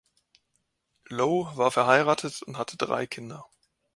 Low war verheiratet und hatte drei Kinder.